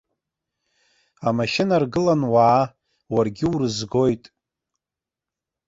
Амашьына ргылан уаа, уаргьы урызгоит.